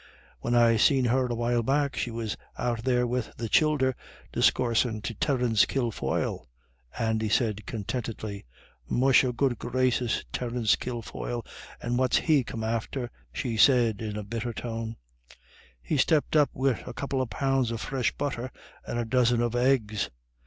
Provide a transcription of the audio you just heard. "When I seen her a while back, she was out there wid the childer, discoorsin' to Terence Kilfoyle," Andy said contentedly. "Musha, good gracious, Terence Kilfoyle, and what's he come after?" she said in a bitter tone. "He stepped up wid a couple of pounds of fresh butter and a dozen of eggs.